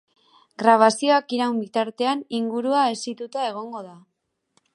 Grabazioak iraun bitartean ingurua hesituta egongo da.